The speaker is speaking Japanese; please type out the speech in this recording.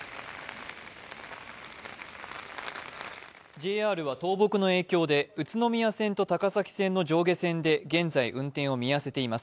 ＪＲは倒木の影響で宇都宮線と高崎線の上下線で現在、運転を見合わせています。